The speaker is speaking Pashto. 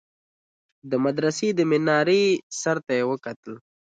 د مدرسې د مينارې سر ته يې وكتل.